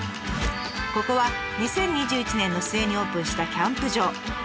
ここは２０２１年の末にオープンしたキャンプ場。